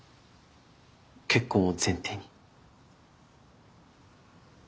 結婚を前提に。